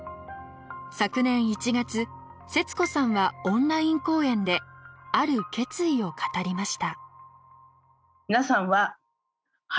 昨年１月摂子さんはオンライン講演である決意を語りました。